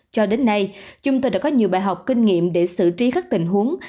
cho đến nay chúng tôi đã có nhiều bài học kinh nghiệm để xử trí các tình huống